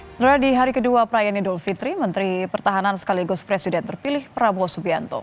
setelah di hari kedua perayaan idul fitri menteri pertahanan sekaligus presiden terpilih prabowo subianto